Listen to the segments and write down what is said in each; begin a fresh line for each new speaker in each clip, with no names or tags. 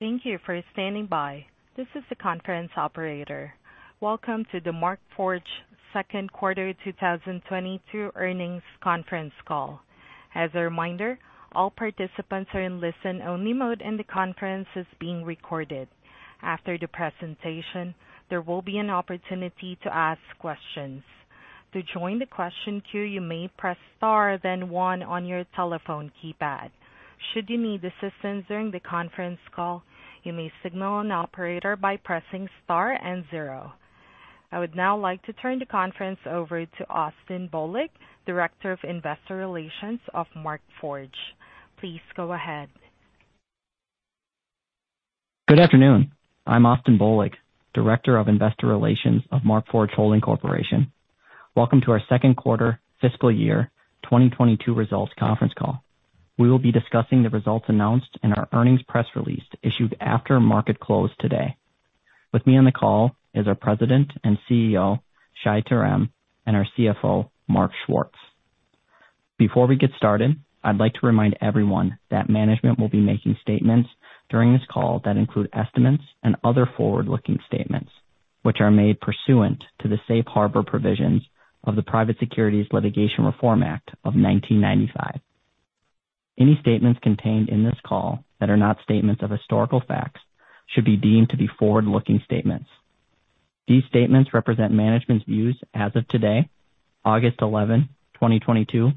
Thank you for standing by. This is the conference operator. Welcome to the Markforged Q2 2022 earnings conference call. As a reminder, all participants are in listen-only mode, and the conference is being recorded. After the presentation, there will be an opportunity to ask questions. To join the question queue, you may press star then one on your telephone keypad. Should you need assistance during the conference call, you may signal an operator by pressing star and zero. I would now like to turn the conference over to Austin Bohlig, Director of Investor Relations of Markforged. Please go ahead.
Good afternoon. I'm Austin Bohlig, Director of Investor Relations of Markforged Holding Corporation. Welcome to our Q2 fiscal year 2022 results conference call. We will be discussing the results announced in our earnings press release issued after market close today. With me on the call is our President and CEO, Shai Terem, and our CFO, Mark Schwartz. Before we get started, I'd like to remind everyone that management will be making statements during this call that include estimates and other forward-looking statements which are made pursuant to the Safe Harbor provisions of the Private Securities Litigation Reform Act of 1995. Any statements contained in this call that are not statements of historical facts should be deemed to be forward-looking statements. These statements represent management's views as of today, August 11, 2022,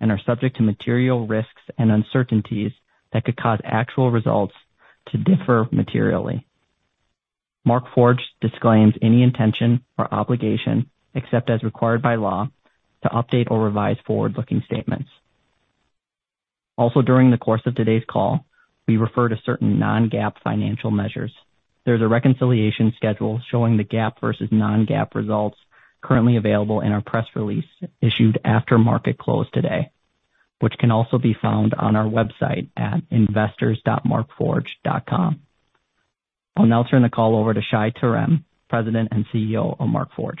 and are subject to material risks and uncertainties that could cause actual results to differ materially. Markforged disclaims any intention or obligation, except as required by law, to update or revise forward-looking statements. Also, during the course of today's call, we refer to certain non-GAAP financial measures. There's a reconciliation schedule showing the GAAP versus non-GAAP results currently available in our press release issued after market close today, which can also be found on our website at investors.markforged.com. I'll now turn the call over to Shai Terem, President and CEO of Markforged.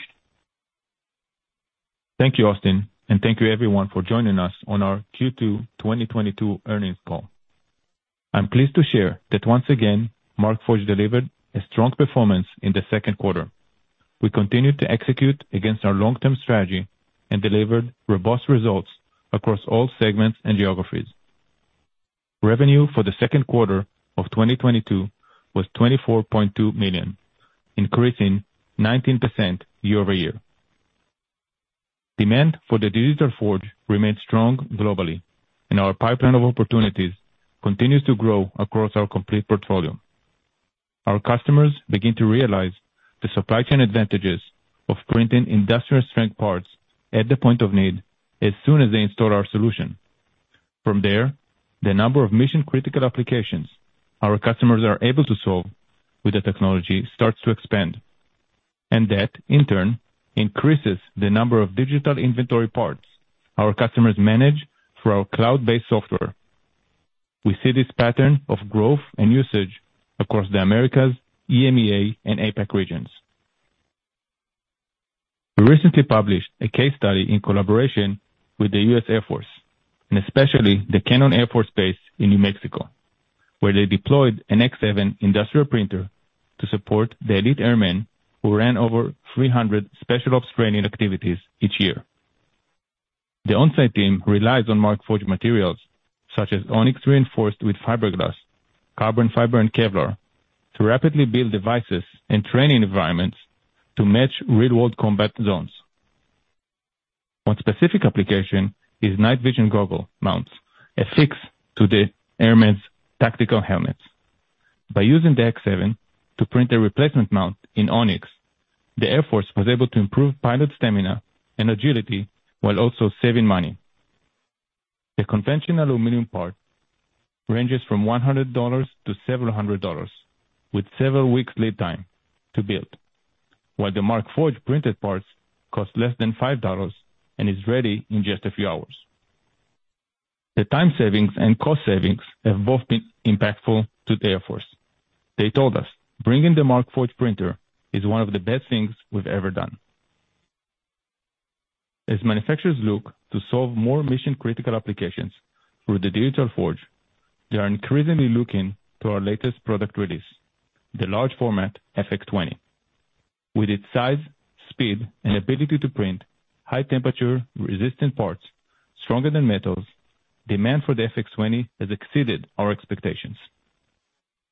Thank you, Austin, and thank you everyone for joining us on our Q2 2022 earnings call. I'm pleased to share that once again, Markforged delivered a strong performance in the Q2. We continued to execute against our long-term strategy and delivered robust results across all segments and geographies. Revenue for the Q2 of 2022 was $24.2 million, increasing 19% year-over-year. Demand for the Digital Forge remains strong globally, and our pipeline of opportunities continues to grow across our complete portfolio. Our customers begin to realize the supply chain advantages of printing industrial-strength parts at the point of need as soon as they install our solution. From there, the number of mission-critical applications our customers are able to solve with the technology starts to expand, and that, in turn, increases the number of digital inventory parts our customers manage through our cloud-based software. We see this pattern of growth and usage across the Americas, EMEA, and APAC regions. We recently published a case study in collaboration with the U.S. Air Force, and especially the Cannon Air Force Base in New Mexico, where they deployed an X7 industrial printer to support the elite airmen who ran over 300 special ops training activities each year. The on-site team relies on Markforged materials such as Onyx reinforced with Fiberglass, Carbon Fiber, and Kevlar to rapidly build devices and training environments to match real-world combat zones. One specific application is night vision goggle mounts affixed to the airmen's tactical helmets. By using the X7 to print a replacement mount in Onyx, the Air Force was able to improve pilot stamina and agility while also saving money. The conventional aluminum part ranges from $100 to several hundred dollars with several weeks lead time to build. While the Markforged printed parts cost less than $5 and is ready in just a few hours. The time savings and cost savings have both been impactful to the Air Force. They told us, "Bringing the Markforged printer is one of the best things we've ever done." As manufacturers look to solve more mission-critical applications through the Digital Forge, they are increasingly looking to our latest product release, the large format FX20. With its size, speed, and ability to print high temperature resistant parts stronger than metals, demand for the FX20 has exceeded our expectations.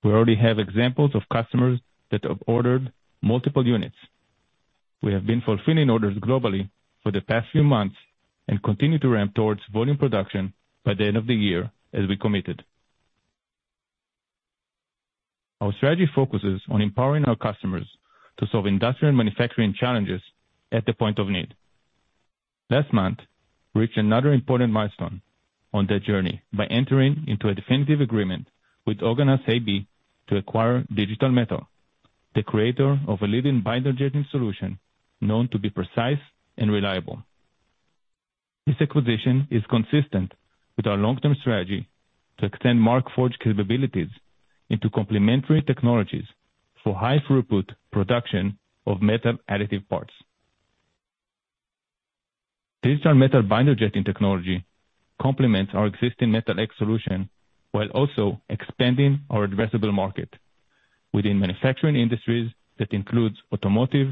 We already have examples of customers that have ordered multiple units. We have been fulfilling orders globally for the past few months and continue to ramp towards volume production by the end of the year as we committed. Our strategy focuses on empowering our customers to solve industrial manufacturing challenges at the point of need. Last month, we reached another important milestone on their journey by entering into a definitive agreement with Höganäs AB to acquire Digital Metal, the creator of a leading Binder Jetting solution known to be precise and reliable. This acquisition is consistent with our long-term strategy to extend Markforged capabilities into complementary technologies for high throughput production of metal additive parts. Digital Metal Binder Jetting technology complements our existing Metal X solution, while also expanding our addressable market within manufacturing industries that includes automotive,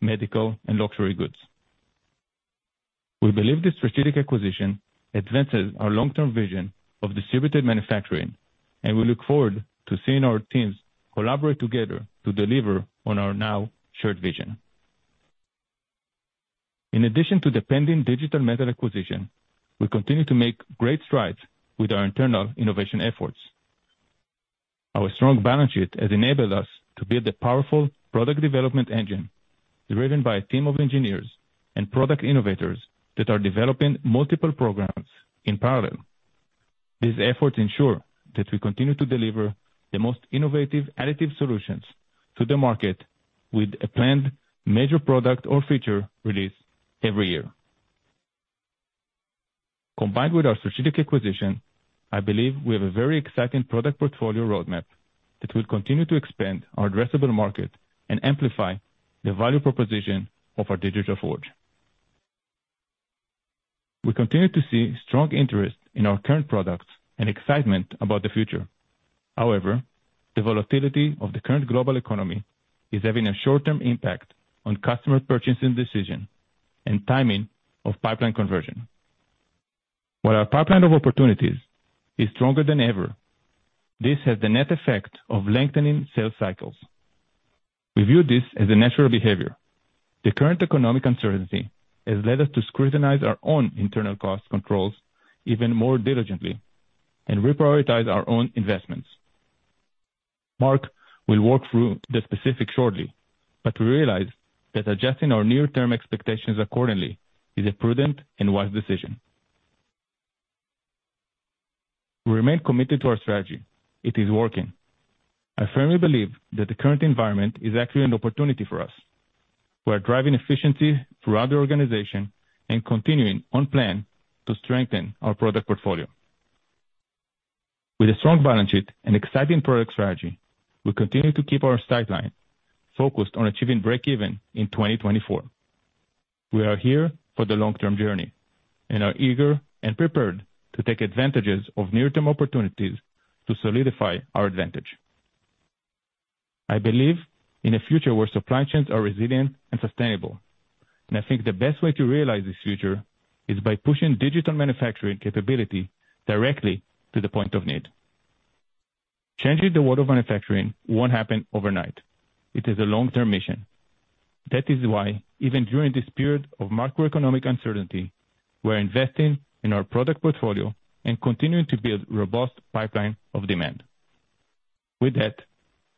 medical, and luxury goods. We believe this strategic acquisition advances our long-term vision of distributed manufacturing, and we look forward to seeing our teams collaborate together to deliver on our now shared vision. In addition to the pending Digital Metal acquisition, we continue to make great strides with our internal innovation efforts. Our strong balance sheet has enabled us to build a powerful product development engine driven by a team of engineers and product innovators that are developing multiple programs in parallel. These efforts ensure that we continue to deliver the most innovative additive solutions to the market with a planned major product or feature release every year. Combined with our strategic acquisition, I believe we have a very exciting product portfolio roadmap that will continue to expand our addressable market and amplify the value proposition of our Digital Forge. We continue to see strong interest in our current products and excitement about the future. However, the volatility of the current global economy is having a short-term impact on customer purchasing decision and timing of pipeline conversion. While our pipeline of opportunities is stronger than ever, this has the net effect of lengthening sales cycles. We view this as a natural behavior. The current economic uncertainty has led us to scrutinize our own internal cost controls even more diligently and reprioritize our own investments. Mark will walk through the specifics shortly, but we realize that adjusting our near-term expectations accordingly is a prudent and wise decision. We remain committed to our strategy. It is working. I firmly believe that the current environment is actually an opportunity for us. We are driving efficiency throughout the organization and continuing on plan to strengthen our product portfolio. With a strong balance sheet and exciting product strategy, we continue to keep our sight line focused on achieving break-even in 2024. We are here for the long-term journey and are eager and prepared to take advantages of near-term opportunities to solidify our advantage. I believe in a future where supply chains are resilient and sustainable, and I think the best way to realize this future is by pushing digital manufacturing capability directly to the point of need. Changing the world of manufacturing won't happen overnight. It is a long-term mission. That is why even during this period of macroeconomic uncertainty, we're investing in our product portfolio and continuing to build robust pipeline of demand. With that,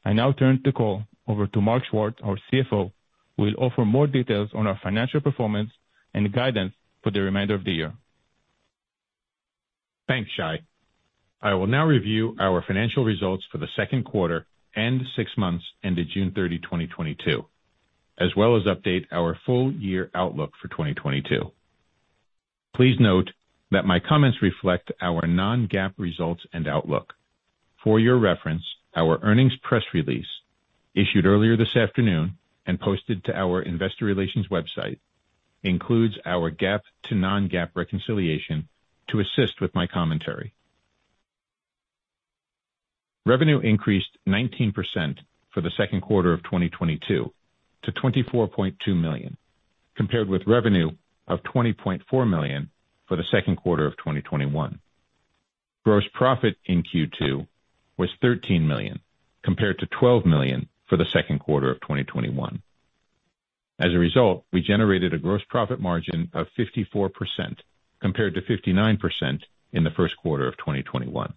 I now turn the call over to Mark Schwartz, our CFO, who will offer more details on our financial performance and guidance for the remainder of the year.
Thanks, Shai. I will now review our financial results for the Q2 and six months ended June 30, 2022, as well as update our full year outlook for 2022. Please note that my comments reflect our non-GAAP results and outlook. For your reference, our earnings press release, issued earlier this afternoon and posted to our investor relations website, includes our GAAP to non-GAAP reconciliation to assist with my commentary. Revenue increased 19% for the Q2 of 2022 to $24.2 million, compared with revenue of $20.4 million for the Q2 of 2021. Gross profit in Q2 was $13 million, compared to $12 million for the Q2 of 2021. As a result, we generated a gross profit margin of 54%, compared to 59% in the Q1 of 2021.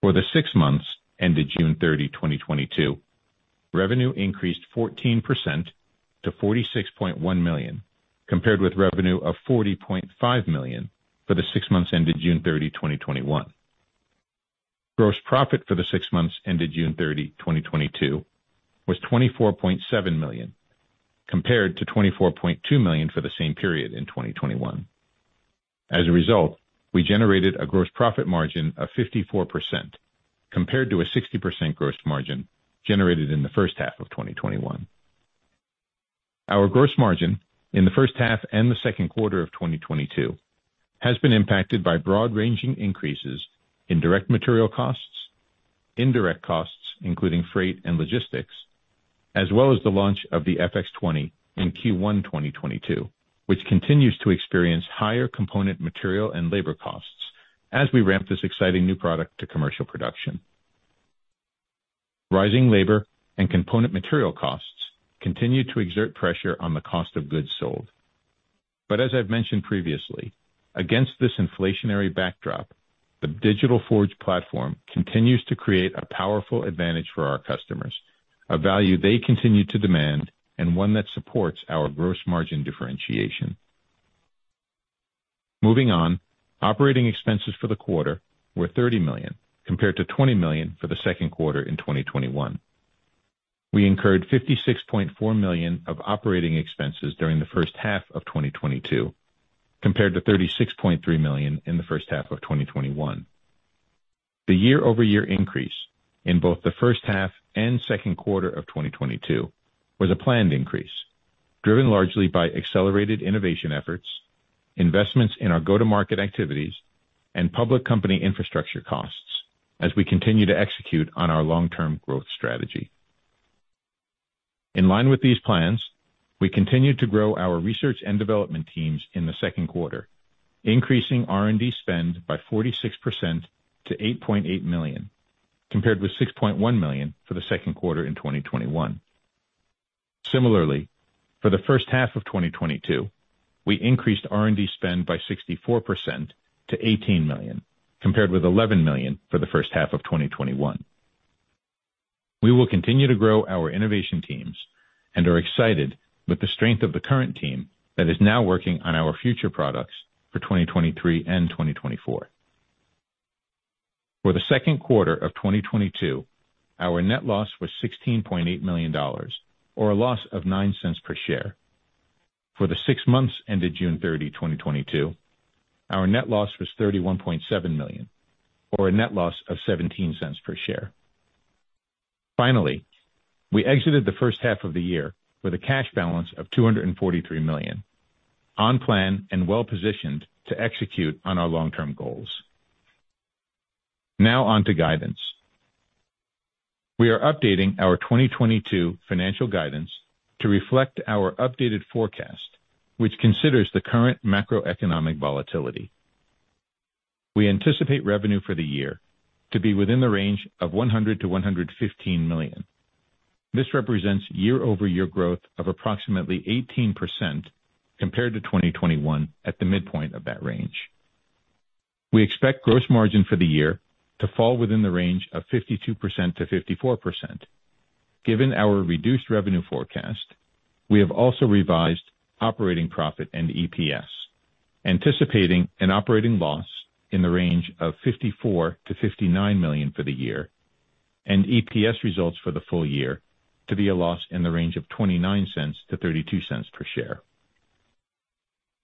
For the six months ended June 30, 2022, revenue increased 14% to $46.1 million, compared with revenue of $40.5 million for the six months ended June 30, 2021. Gross profit for the six months ended June 30, 2022 was $24.7 million, compared to $24.2 million for the same period in 2021. As a result, we generated a gross profit margin of 54%, compared to a 60% gross margin generated in the first half of 2021. Our gross margin in the first half and the Q2 of 2022 has been impacted by broad-ranging increases in direct material costs, indirect costs, including freight and logistics, as well as the launch of the FX20 in Q1 2022, which continues to experience higher component material and labor costs as we ramp this exciting new product to commercial production. Rising labor and component material costs continue to exert pressure on the cost of goods sold. As I've mentioned previously, against this inflationary backdrop, the Digital Forge platform continues to create a powerful advantage for our customers, a value they continue to demand and one that supports our gross margin differentiation. Moving on. Operating expenses for the quarter were $30 million, compared to $20 million for the Q2 in 2021. We incurred $56.4 million of operating expenses during the first half of 2022, compared to $36.3 million in the first half of 2021. The year-over-year increase in both the first half and Q2 of 2022 was a planned increase, driven largely by accelerated innovation efforts, investments in our go-to-market activities, and public company infrastructure costs as we continue to execute on our long-term growth strategy. In line with these plans, we continued to grow our research and development teams in the Q2, increasing R&D spend by 46% to $8.8 million, compared with $6.1 million for the Q2 in 2021. Similarly, for the first half of 2022, we increased R&D spend by 64% to $18 million, compared with $11 million for the first half of 2021. We will continue to grow our innovation teams and are excited with the strength of the current team that is now working on our future products for 2023 and 2024. For the Q2 of 2022, our net loss was $16.8 million or a loss of $0.09 per share. For the six months ended June 30, 2022, our net loss was $31.7 million or a net loss of $0.17 per share. Finally, we exited the first half of the year with a cash balance of $243 million, on plan and well-positioned to execute on our long-term goals. Now on to guidance. We are updating our 2022 financial guidance to reflect our updated forecast, which considers the current macroeconomic volatility. We anticipate revenue for the year to be within the range of $100 million-$115 million. This represents year-over-year growth of approximately 18% compared to 2021 at the midpoint of that range. We expect gross margin for the year to fall within the range of 52%-54%. Given our reduced revenue forecast, we have also revised operating profit and EPS, anticipating an operating loss in the range of $54 million-$59 million for the year and EPS results for the full year to be a loss in the range of $0.29-$0.32 per share.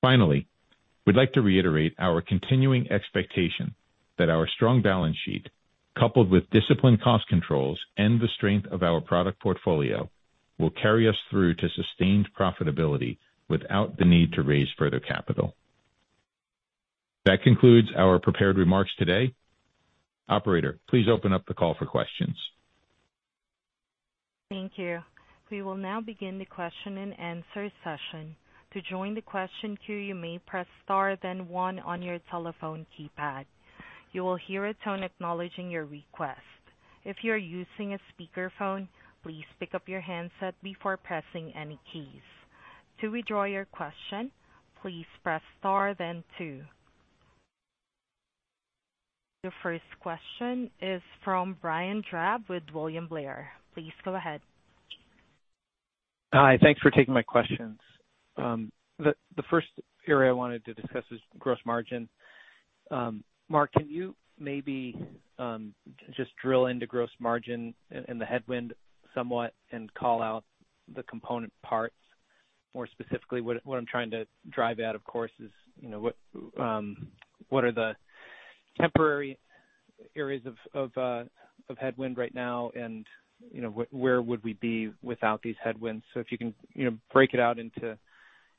Finally, we'd like to reiterate our continuing expectation that our strong balance sheet, coupled with disciplined cost controls and the strength of our product portfolio, will carry us through to sustained profitability without the need to raise further capital. That concludes our prepared remarks today. Operator, please open up the call for questions.
Thank you. We will now begin the question-and-answer session. To join the question queue, you may press star then one on your telephone keypad. You will hear a tone acknowledging your request. If you are using a speakerphone, please pick up your handset before pressing any keys. To withdraw your question, please press star then two. Your first question is from Brian Drab with William Blair. Please go ahead.
Hi. Thanks for taking my questions. The first area I wanted to discuss is gross margin. Mark, can you maybe just drill into gross margin and the headwind somewhat and call out the component parts? More specifically, what I'm trying to drive at, of course, is, you know, what are the temporary areas of headwind right now and, you know, where would we be without these headwinds? If you can, you know, break it out into,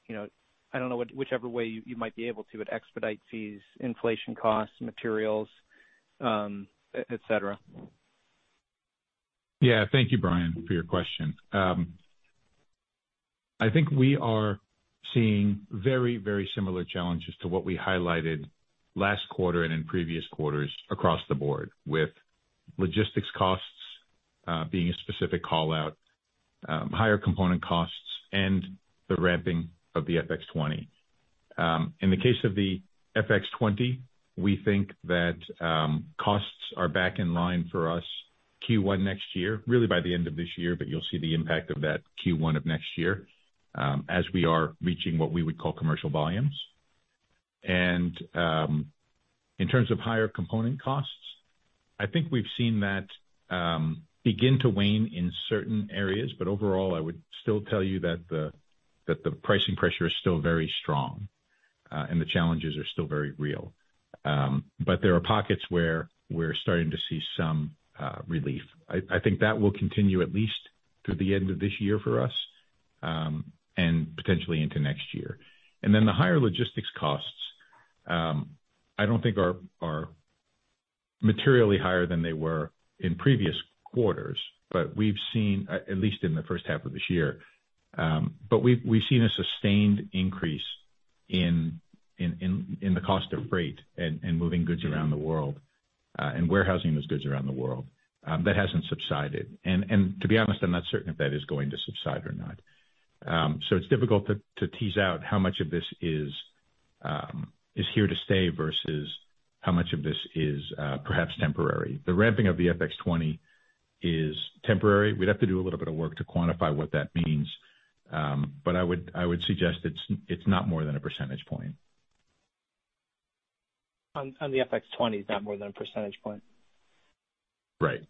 you know, I don't know, whichever way you might be able to, at expedite fees, inflation costs, materials, et cetera.
Yeah. Thank you, Brian, for your question. I think we are seeing very, very similar challenges to what we highlighted last quarter and in previous quarters across the board, with logistics costs being a specific call-out, higher component costs and the ramping of the FX20. In the case of the FX20, we think that costs are back in line for us Q1 next year, really by the end of this year, but you'll see the impact of that Q1 of next year, as we are reaching what we would call commercial volumes. In terms of higher component costs, I think we've seen that begin to wane in certain areas. But overall, I would still tell you that that the pricing pressure is still very strong, and the challenges are still very real. There are pockets where we're starting to see some relief. I think that will continue at least through the end of this year for us, and potentially into next year. Then the higher logistics costs, I don't think are materially higher than they were in previous quarters, but we've seen at least in the first half of this year. We've seen a sustained increase in the cost of freight and moving goods around the world, and warehousing those goods around the world, that hasn't subsided. To be honest, I'm not certain if that is going to subside or not. It's difficult to tease out how much of this is here to stay versus how much of this is perhaps temporary. The ramping of the FX20 is temporary. We'd have to do a little bit of work to quantify what that means. I would suggest it's not more than a percentage point.
On the FX20 is not more than a percentage point?
Right.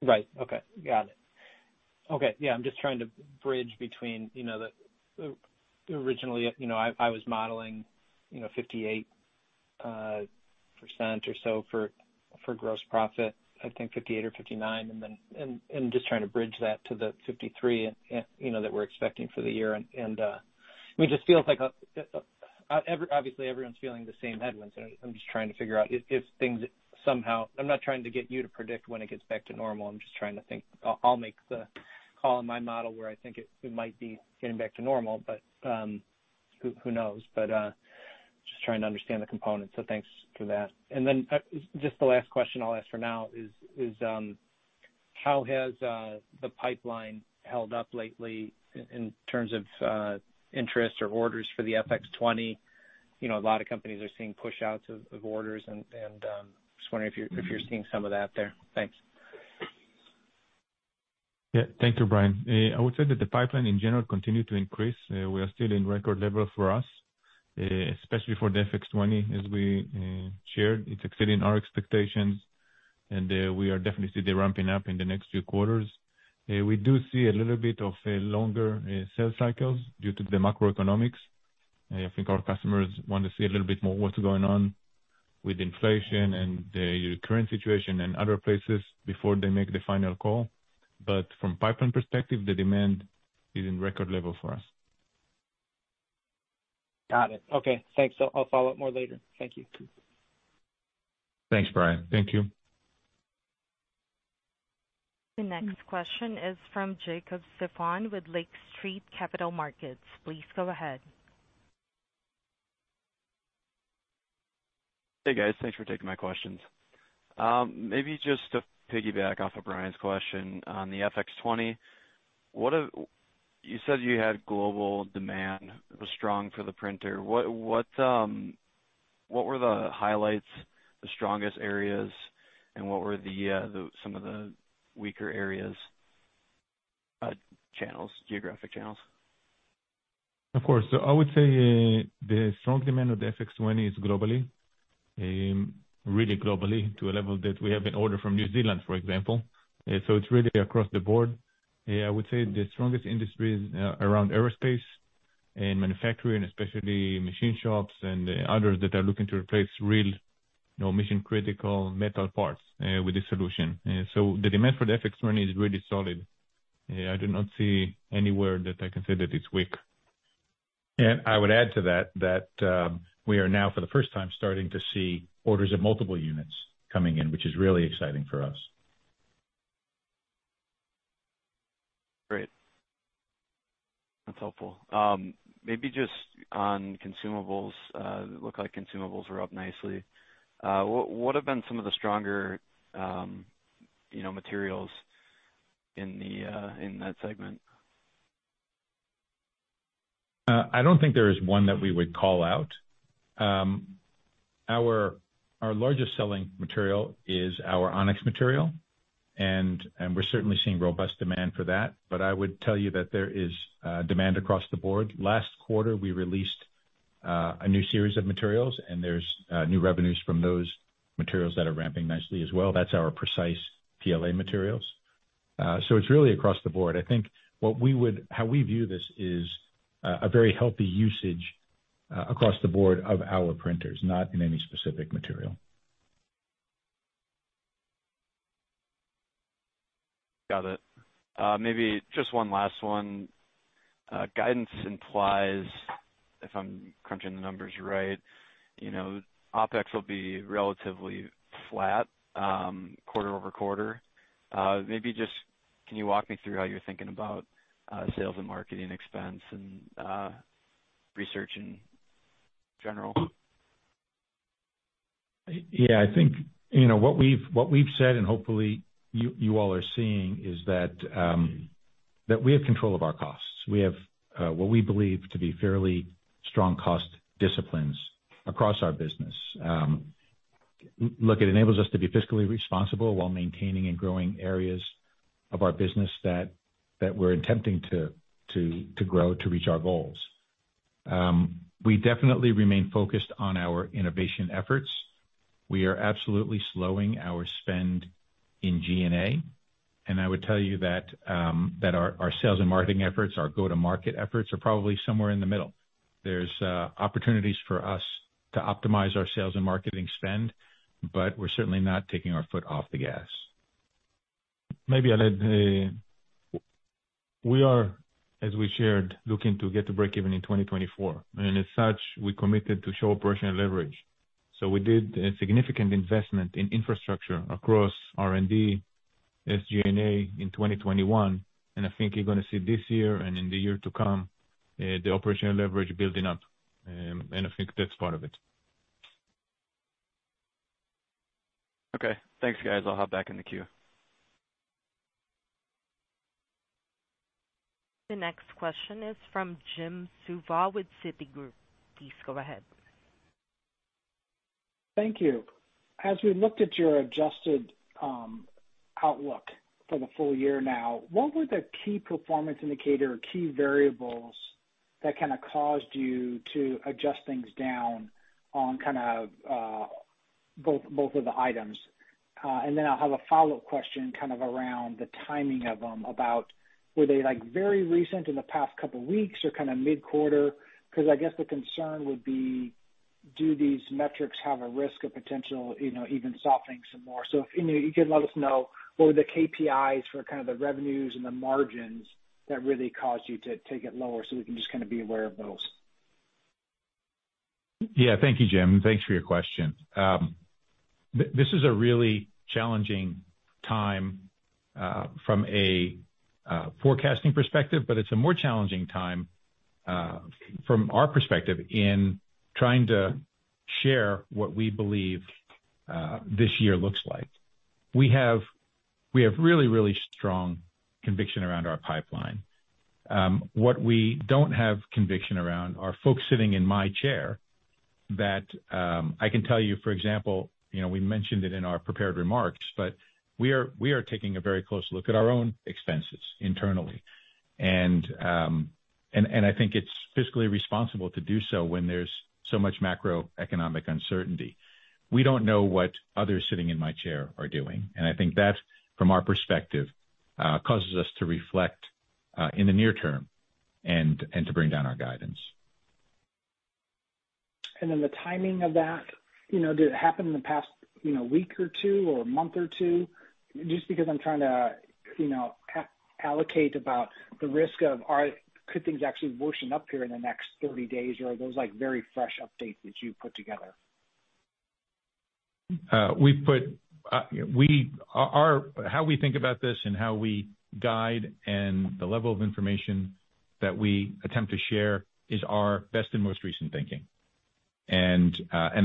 Right. Okay. Got it. Okay. Yeah, I'm just trying to bridge between, you know, the originally, you know, I was modeling, you know, 58% or so for gross profit. I think 58 or 59, and then just trying to bridge that to the 53%, you know, that we're expecting for the year. I mean, just feels like obviously, everyone's feeling the same headwinds. I'm just trying to figure out if things somehow. I'm not trying to get you to predict when it gets back to normal. I'm just trying to think. I'll make the call in my model where I think it might be getting back to normal, but who knows. Just trying to understand the components. Thanks for that. Then, just the last question I'll ask for now is how has the pipeline held up lately in terms of interest or orders for the FX20? You know, a lot of companies are seeing push-outs of orders. Just wondering if you're seeing some of that there. Thanks.
Yeah. Thank you, Brian. I would say that the pipeline in general continued to increase. We are still in record level for us, especially for the FX20 as we shared. It's exceeding our expectations, and we are definitely see the ramping up in the next few quarters. We do see a little bit of a longer sales cycles due to the macroeconomics. I think our customers want to see a little bit more what's going on with inflation and the current situation in other places before they make the final call. From pipeline perspective, the demand is in record level for us.
Got it. Okay. Thanks. I'll follow up more later. Thank you.
Thanks, Brian.
Thank you.
The next question is from Jacob Stephan with Lake Street Capital Markets. Please go ahead.
Hey, guys. Thanks for taking my questions. Maybe just to piggyback off of Brian's question on the FX20. You said you had global demand was strong for the printer. What were the highlights, the strongest areas, and what were some of the weaker areas, channels, geographic channels?
Of course. I would say the strong demand of the FX20 is globally, really globally to a level that we have an order from New Zealand, for example. It's really across the board. I would say the strongest industry is around aerospace and manufacturing, especially machine shops and others that are looking to replace real, you know, mission-critical metal parts with this solution. The demand for the FX20 is really solid. I do not see anywhere that I can say that it's weak.
I would add to that, we are now, for the first time, starting to see orders of multiple units coming in, which is really exciting for us.
Great. That's helpful. Maybe just on consumables. Looks like consumables are up nicely. What have been some of the stronger, you know, materials in that segment?
I don't think there is one that we would call out. Our largest selling material is our Onyx material, and we're certainly seeing robust demand for that. I would tell you that there is demand across the board. Last quarter, we released a new series of materials, and there's new revenues from those materials that are ramping nicely as well. That's our Precise PLA materials. It's really across the board. How we view this is a very healthy usage across the board of our printers, not in any specific material.
Got it. Maybe just one last one. Guidance implies, if I'm crunching the numbers right, you know, OpEx will be relatively flat quarter-over-quarter. Maybe just can you walk me through how you're thinking about sales and marketing expense and research in general?
Yeah, I think, you know, what we've said and hopefully you all are seeing is that we have control of our costs. We have what we believe to be fairly strong cost disciplines across our business. Look, it enables us to be fiscally responsible while maintaining and growing areas of our business that we're attempting to grow to reach our goals. We definitely remain focused on our innovation efforts. We are absolutely slowing our spend in G&A. I would tell you that our sales and marketing efforts, our go-to-market efforts are probably somewhere in the middle. There's opportunities for us to optimize our sales and marketing spend, but we're certainly not taking our foot off the gas.
Maybe I'll add. We are, as we shared, looking to get to break-even in 2024. As such, we committed to show operational leverage. We did a significant investment in infrastructure across R&D, SG&A in 2021. I think you're gonna see this year and in the year to come, the operational leverage building up. I think that's part of it.
Okay. Thanks, guys. I'll hop back in the queue.
The next question is from Jim Suva with Citigroup. Please go ahead.
Thank you. As we looked at your adjusted outlook for the full year now, what were the key performance indicator or key variables? That kind of caused you to adjust things down on kind of both of the items. I'll have a follow-up question kind of around the timing of them about, were they like very recent in the past couple weeks or kinda mid-quarter? 'Cause I guess the concern would be, do these metrics have a risk of potential, you know, even softening some more? If you could let us know what were the KPIs for kind of the revenues and the margins that really caused you to take it lower so we can just kinda be aware of those.
Yeah. Thank you, Jim, and thanks for your question. This is a really challenging time from a forecasting perspective, but it's a more challenging time from our perspective in trying to share what we believe this year looks like. We have really strong conviction around our pipeline. What we don't have conviction around are folks sitting in my chair that I can tell you, for example, you know, we mentioned it in our prepared remarks, but we are taking a very close look at our own expenses internally. I think it's fiscally responsible to do so when there's so much macroeconomic uncertainty. We don't know what others sitting in my chair are doing, and I think that, from our perspective, causes us to reflect, in the near term and to bring down our guidance.
The timing of that, you know, did it happen in the past, you know, week or two or month or two? Just because I'm trying to, you know, allocate about the risk of could things actually worsen up here in the next 30 days, or are those like very fresh updates that you've put together?
We've put our how we think about this and how we guide and the level of information that we attempt to share is our best and most recent thinking.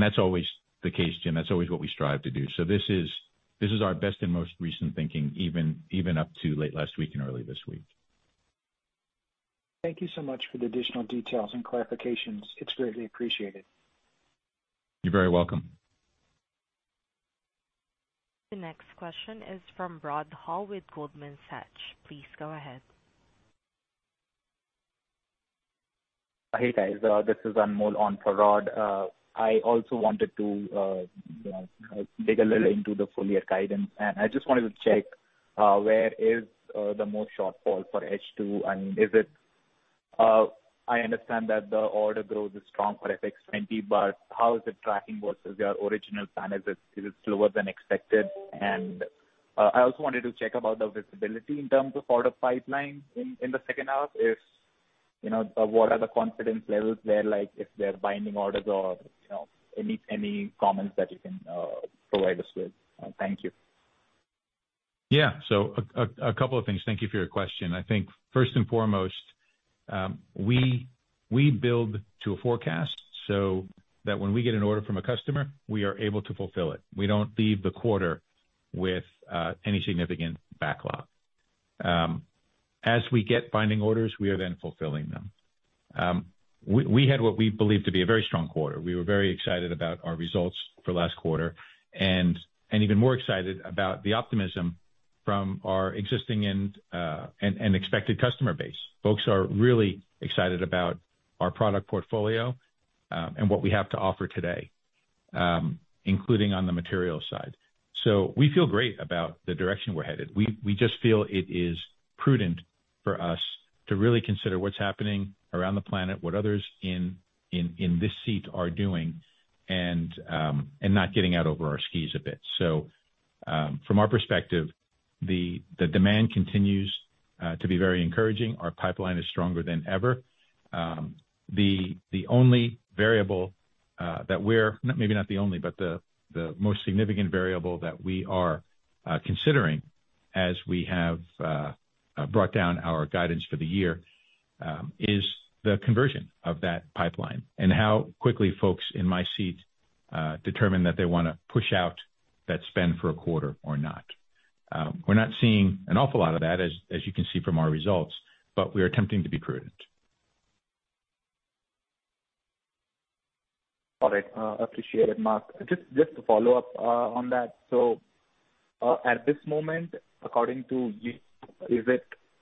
That's always the case, Jim. That's always what we strive to do. This is our best and most recent thinking, even up to late last week and early this week.
Thank you so much for the additional details and clarifications. It's greatly appreciated.
You're very welcome.
The next question is from Rod Hall with Goldman Sachs. Please go ahead.
Hey, guys. This is Anmol on for Rod. I also wanted to, you know, dig a little into the full year guidance. I just wanted to check where is the most shortfall for H2, and is it. I understand that the order growth is strong for FX20, but how is it tracking versus your original plan? Is it slower than expected? I also wanted to check about the visibility in terms of order pipeline in the second half. If you know what are the confidence levels there, like if they're binding orders or, you know, any comments that you can provide us with. Thank you.
A couple of things. Thank you for your question. I think first and foremost, we build to a forecast so that when we get an order from a customer, we are able to fulfill it. We don't leave the quarter with any significant backlog. As we get binding orders, we are then fulfilling them. We had what we believe to be a very strong quarter. We were very excited about our results for last quarter and even more excited about the optimism from our existing and expected customer base. Folks are really excited about our product portfolio and what we have to offer today, including on the material side. We feel great about the direction we're headed. We just feel it is prudent for us to really consider what's happening around the planet, what others in this seat are doing, and not getting out over our skis a bit. From our perspective, the demand continues to be very encouraging. Our pipeline is stronger than ever. Maybe not the only, but the most significant variable that we are brought down our guidance for the year is the conversion of that pipeline and how quickly folks in my seat determine that they wanna push out that spend for a quarter or not. We're not seeing an awful lot of that as you can see from our results, but we are attempting to be prudent.
All right. Appreciate it, Mark. Just to follow up on that. At this moment, according to you,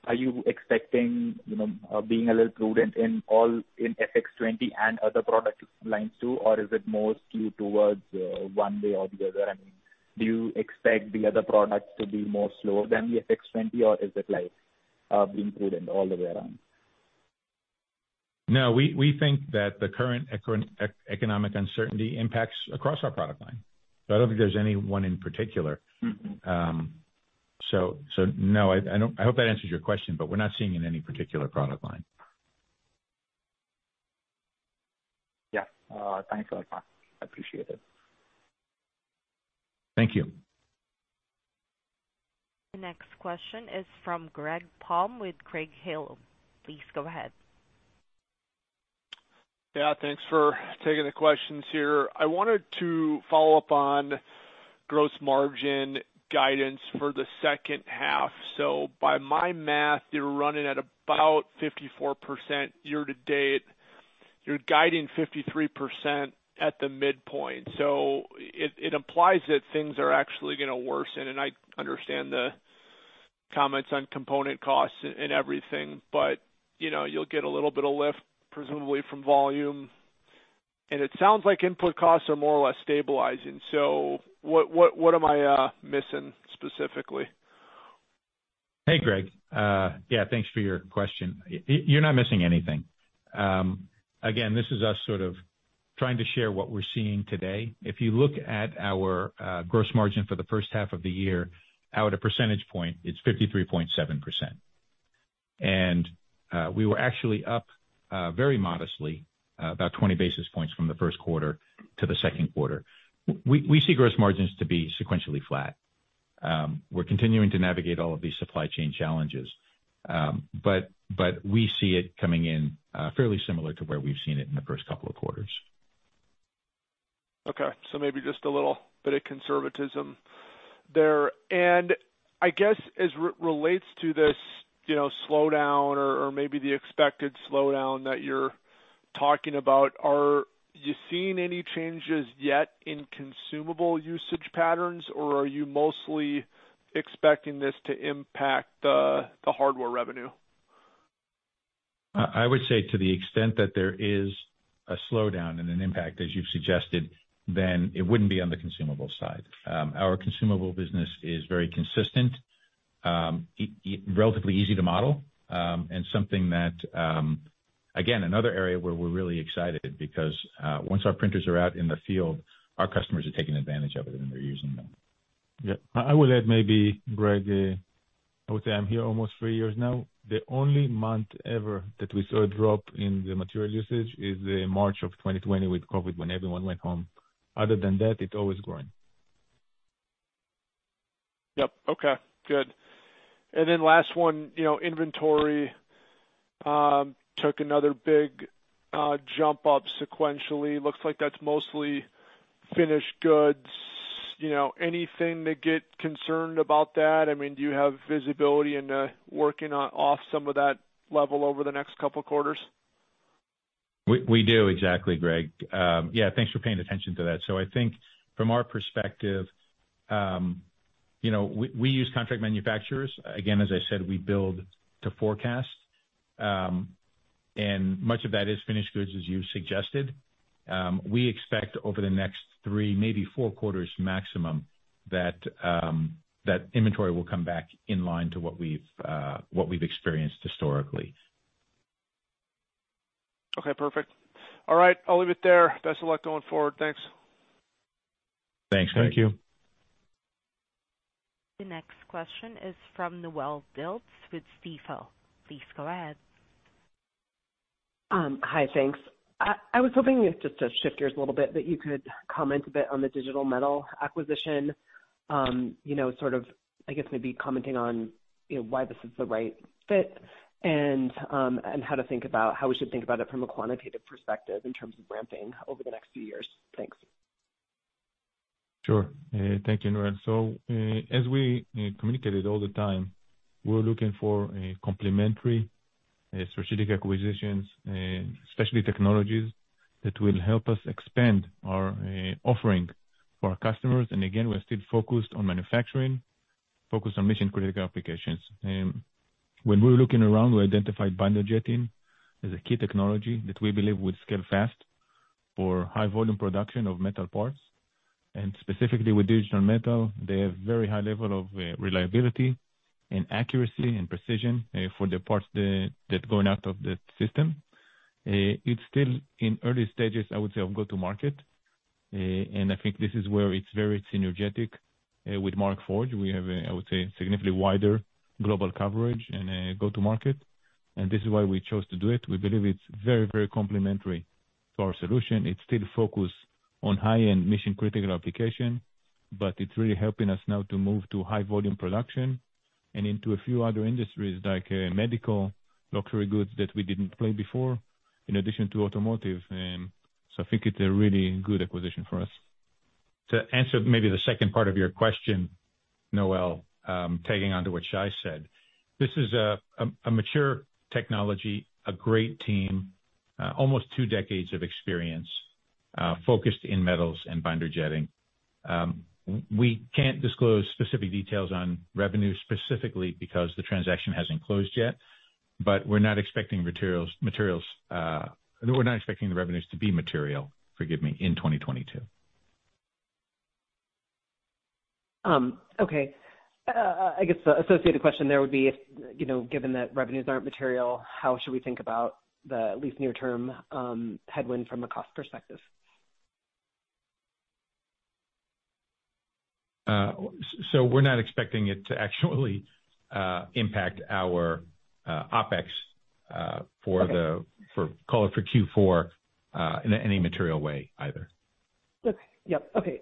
are you expecting, you know, being a little prudent in all in FX20 and other product lines too? Or is it more skewed towards one way or the other? Do you expect the other products to be more slower than the FX20, or is it like being prudent all the way around?
No, we think that the current economic uncertainty impacts across our product line. I don't think there's any one in particular. No. I hope that answers your question, but we're not seeing it in any particular product line.
Yeah. Thanks a lot, Mark. I appreciate it.
Thank you.
The next question is from Greg Palm with Craig-Hallum. Please go ahead.
Yeah. Thanks for taking the questions here. I wanted to follow up on gross margin guidance for the second half. By my math, you're running at about 54% year to date. You're guiding 53% at the midpoint, so it implies that things are actually gonna worsen. I understand the comments on component costs and everything, but, you know, you'll get a little bit of lift presumably from volume. It sounds like input costs are more or less stabilizing. What am I missing specifically?
Hey, Greg. Yeah, thanks for your question. You're not missing anything. Again, this is us sort of trying to share what we're seeing today. If you look at our gross margin for the first half of the year, up a percentage point, it's 53.7%. We were actually up very modestly about 20 basis points from the Q1 to the Q2. We see gross margins to be sequentially flat. We're continuing to navigate all of these supply chain challenges. But we see it coming in fairly similar to where we've seen it in the first couple of quarters.
Okay. Maybe just a little bit of conservatism there. I guess as relates to this, you know, slowdown or maybe the expected slowdown that you're talking about, are you seeing any changes yet in consumable usage patterns, or are you mostly expecting this to impact the hardware revenue?
I would say to the extent that there is a slowdown and an impact, as you've suggested, then it wouldn't be on the consumable side. Our consumable business is very consistent, relatively easy to model, and something that, again, another area where we're really excited because, once our printers are out in the field, our customers are taking advantage of it and they're using them.
Yeah. I would add maybe, Greg, I would say I'm here almost three years now. The only month ever that we saw a drop in the material usage is March of 2020 with COVID when everyone went home. Other than that, it's always growing.
Yep. Okay. Good. Then last one, you know, inventory took another big jump up sequentially. Looks like that's mostly finished goods. You know, anything to get concerned about that? I mean, do you have visibility into working off some of that level over the next couple quarters?
We do exactly, Greg. Yeah, thanks for paying attention to that. I think from our perspective, you know, we use contract manufacturers. Again, as I said, we build to forecast. Much of that is finished goods, as you suggested. We expect over the next 3, maybe 4 quarters maximum, that inventory will come back in line to what we've experienced historically.
Okay. Perfect. All right, I'll leave it there. Best of luck going forward. Thanks.
Thanks.
Thank you.
The next question is from Noelle Dilts with Stifel. Please go ahead.
Hi. Thanks. I was hoping just to shift gears a little bit, that you could comment a bit on the Digital Metal acquisition. You know, sort of, I guess maybe commenting on, you know, why this is the right fit and how we should think about it from a quantitative perspective in terms of ramping over the next few years. Thanks.
Sure. Thank you, Noelle. As we communicated all the time, we're looking for a complementary strategic acquisitions, especially technologies that will help us expand our offering for our customers. Again, we're still focused on manufacturing, focused on mission-critical applications. When we're looking around, we identified Binder Jetting as a key technology that we believe would scale fast for high volume production of metal parts. Specifically with Digital Metal, they have very high level of reliability and accuracy and precision for the parts that are going out of the system. It's still in early stages, I would say, of go-to-market. I think this is where it's very synergetic with Markforged. We have a, I would say, significantly wider global coverage and a go-to-market, and this is why we chose to do it. We believe it's very, very complementary to our solution. It's still focused on high-end mission-critical application, but it's really helping us now to move to high volume production and into a few other industries like medical, luxury goods that we didn't play before, in addition to automotive. I think it's a really good acquisition for us.
To answer maybe the second part of your question, Noelle, tagging on to what Shai said. This is a mature technology, a great team, almost two decades of experience, focused in metals and Binder Jetting. We can't disclose specific details on revenue specifically because the transaction hasn't closed yet, but we're not expecting the revenues to be material, forgive me, in 2022.
Okay. I guess the associated question there would be if, you know, given that revenues aren't material, how should we think about the at least near term headwind from a cost perspective?
We're not expecting it to actually impact our OpEx for the, for call for Q4 in any material way either.
Okay. Yep. Okay.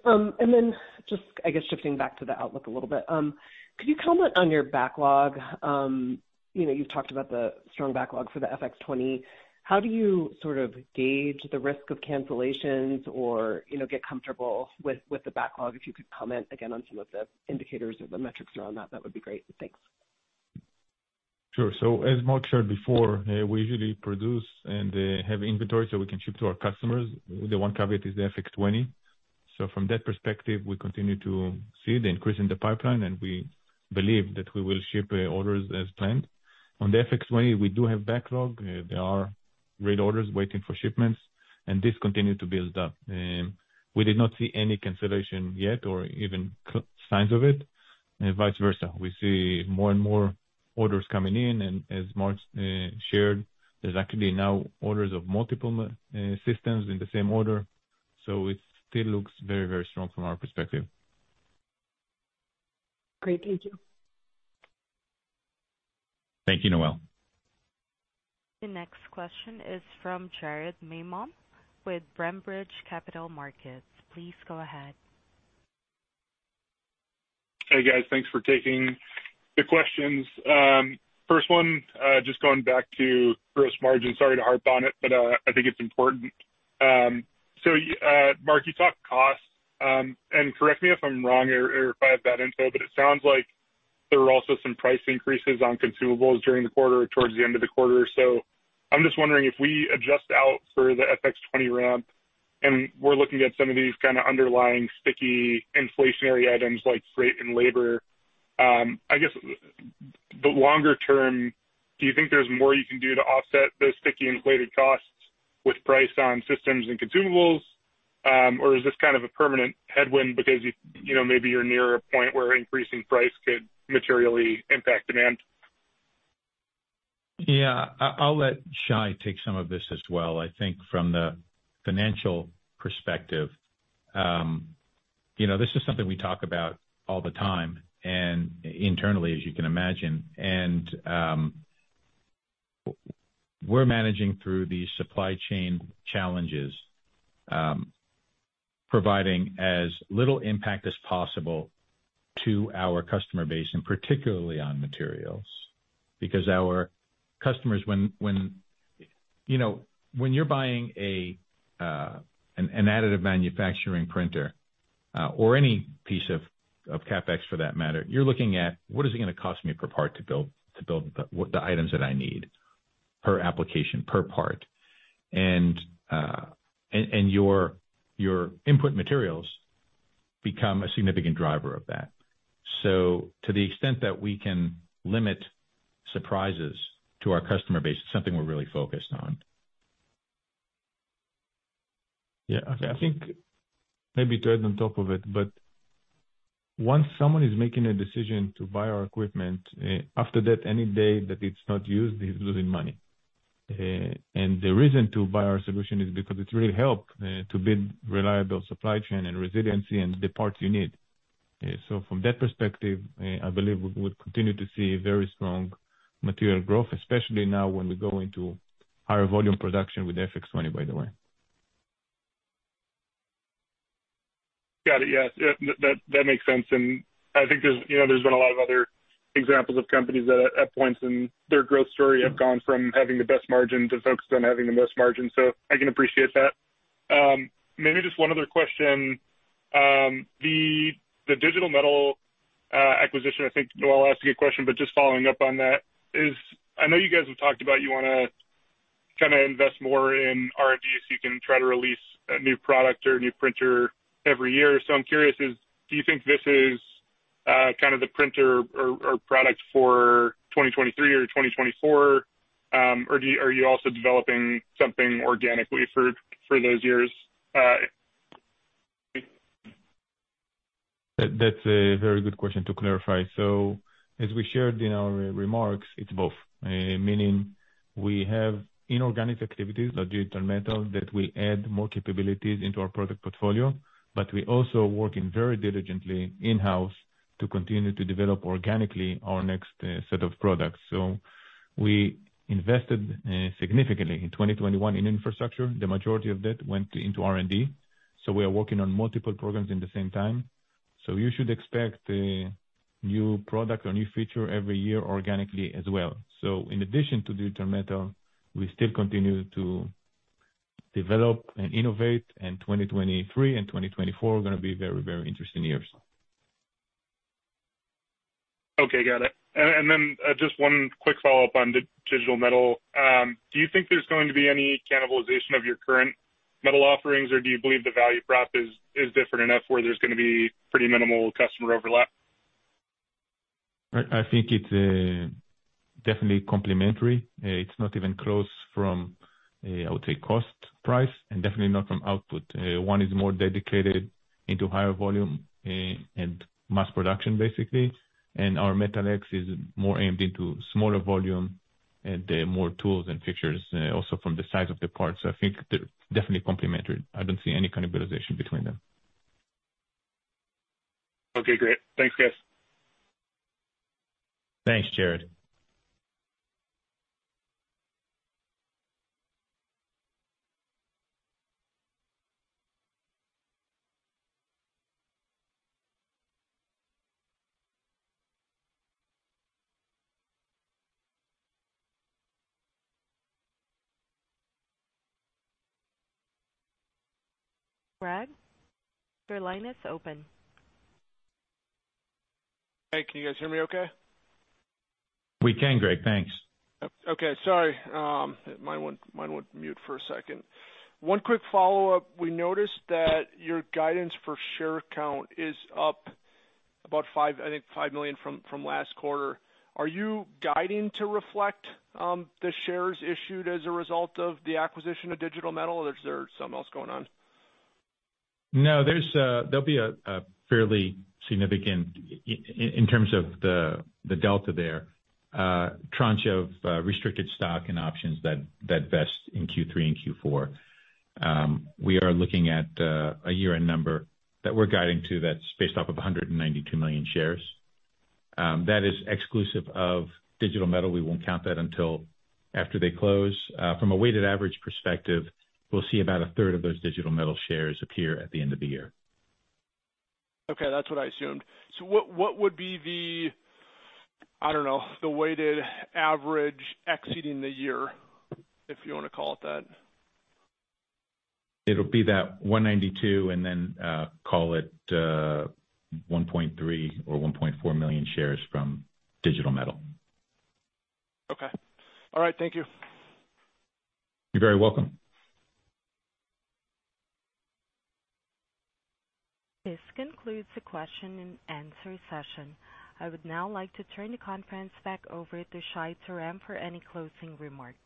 Just, I guess, shifting back to the outlook a little bit. Could you comment on your backlog? You know, you've talked about the strong backlog for the FX20. How do you sort of gauge the risk of cancellations or, you know, get comfortable with the backlog? If you could comment again on some of the indicators or the metrics around that would be great. Thanks.
Sure. As Mark shared before, we usually produce and have inventory so we can ship to our customers. The one caveat is the FX20. From that perspective, we continue to see the increase in the pipeline, and we believe that we will ship orders as planned. On the FX20, we do have backlog. There are real orders waiting for shipments and this continued to build up. We did not see any cancellation yet or even signs of it and vice versa. We see more and more orders coming in. As Mark shared, there's actually now orders of multiple systems in the same order. It still looks very, very strong from our perspective.
Great. Thank you.
Thank you, Noelle.
The next question is from Jared Maymon with Berenberg Capital Markets. Please go ahead.
Hey, guys. Thanks for taking the questions. First one, just going back to gross margin. Sorry to harp on it, but I think it's important. So Mark, you talked costs, and correct me if I'm wrong or if I have bad info, but it sounds like there were also some price increases on consumables during the quarter or towards the end of the quarter. So I'm just wondering if we adjust out for the FX20 ramp, and we're looking at some of these kind of underlying sticky inflationary items like freight and labor. I guess the longer term, do you think there's more you can do to offset those sticky inflated costs with price on systems and consumables? Is this kind of a permanent headwind because you know, maybe you're near a point where increasing price could materially impact demand?
Yeah. I'll let Shai take some of this as well. I think from the financial perspective, you know, this is something we talk about all the time and internally, as you can imagine, and we're managing through these supply chain challenges, providing as little impact as possible to our customer base, and particularly on materials, because our customers, you know, when you're buying an additive manufacturing printer, or any piece of CapEx for that matter, you're looking at what is it gonna cost me per part to build the items that I need per application, per part. And your input materials become a significant driver of that. To the extent that we can limit surprises to our customer base, it's something we're really focused on.
Yeah. I think maybe to add on top of it, once someone is making a decision to buy our equipment, after that, any day that it's not used, it's losing money. The reason to buy our solution is because it really help to build reliable supply chain and resiliency and the parts you need. From that perspective, I believe we would continue to see very strong material growth, especially now when we go into higher volume production with FX20, by the way.
Got it. Yes. Yeah. That makes sense. I think there's, you know, been a lot of other examples of companies that at points in their growth story have gone from having the best margin to focused on having the most margin, so I can appreciate that. Maybe just one other question. The Digital Metal acquisition, I think Noelle asked a good question, but just following up on that is I know you guys have talked about you wanna kinda invest more in R&D so you can try to release a new product or a new printer every year. So I'm curious is do you think this is kind of the printer or product for 2023 or 2024? Or are you also developing something organically for those years?
That’s a very good question to clarify. As we shared in our remarks, it’s both. Meaning we have inorganic activities like Digital Metal that will add more capabilities into our product portfolio, but we also working very diligently in-house to continue to develop organically our next set of products. We invested significantly in 2021 in infrastructure. The majority of that went into R&D. We are working on multiple programs at the same time. You should expect a new product or new feature every year organically as well. In addition to Digital Metal, we still continue to develop and innovate, and 2023 and 2024 are gonna be very, very interesting years.
Okay, got it. Just one quick follow-up on Digital Metal. Do you think there's going to be any cannibalization of your current metal offerings, or do you believe the value prop is different enough where there's gonna be pretty minimal customer overlap?
I think it's definitely complementary. It's not even close from, I would say cost price and definitely not from output. One is more dedicated into higher volume, and mass production basically. Our Metal X is more aimed into smaller volume and, more tools and fixtures, also from the size of the parts. I think they're definitely complementary. I don't see any cannibalization between them.
Okay, great. Thanks, guys.
Thanks, Jared.
Greg, your line is open.
Hey, can you guys hear me okay?
We can, Greg. Thanks.
Okay. Sorry. Mine went mute for a second. One quick follow-up. We noticed that your guidance for share count is up about 5, I think 5 million from last quarter. Are you guiding to reflect the shares issued as a result of the acquisition of Digital Metal, or is there something else going on?
No, there'll be a fairly significant in terms of the delta there, tranche of restricted stock and options that vest in Q3 and Q4. We are looking at a year-end number that we're guiding to that's based off of 192 million shares. That is exclusive of Digital Metal. We won't count that until after they close. From a weighted average perspective, we'll see about a third of those Digital Metal shares appear at the end of the year.
Okay. That's what I assumed. What would be the, I don't know, the weighted average exiting the year, if you wanna call it that?
It'll be that 192, and then call it 1.3 or 1.4 million shares from Digital Metal.
Okay. All right. Thank you.
You're very welcome.
This concludes the question and answer session. I would now like to turn the conference back over to Shai Terem for any closing remarks.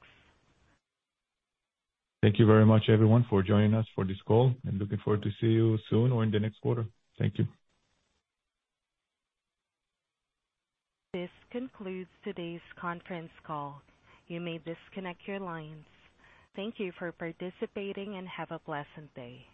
Thank you very much everyone for joining us for this call and looking forward to see you soon or in the next quarter. Thank you.
This concludes today's conference call. You may disconnect your lines. Thank you for participating, and have a pleasant day.